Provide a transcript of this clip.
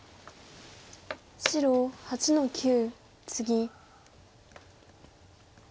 白８の九ツギ。